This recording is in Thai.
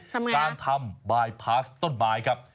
ทำอย่างไรครับการทำบายพาสต้นไม้ครับ